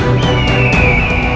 untuk ma candidate